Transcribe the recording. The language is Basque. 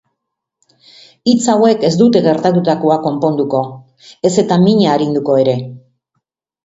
Hitz hauek ez dute gertatutakoa konponduko, ez eta mina arinduko ere.